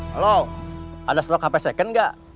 halo ada stok hp second gak